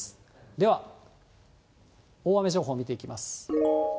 では大雨情報を見ていきます。